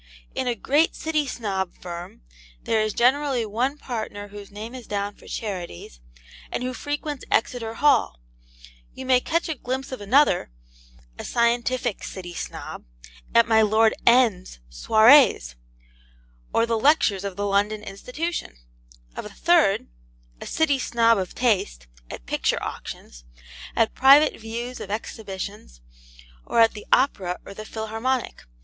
In a great City Snob firm there is generally one partner whose name is down for charities, and who frequents Exeter Hall; you may catch a glimpse of another (a scientific City Snob) at my Lord N 's SOIREES, or the lectures of the London Institution; of a third (a City Snob of taste) at picture auctions, at private views of exhibitions, or at the Opera or the Philharmonic.